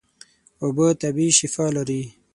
اوبه طبیعي شفاء لري.